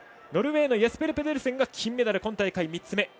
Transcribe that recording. ノルウェーのイェスペル・ペデルセンが金メダル、今大会３つ目。